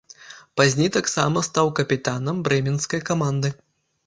Пазней таксама стаў капітанам брэменскай каманды.